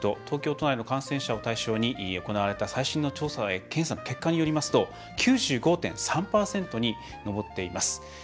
東京都内の感染者を対象に行われた最新の検査の結果によりますと９５．３％に上っています。